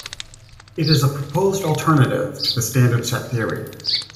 It is a proposed alternative to the standard set theory.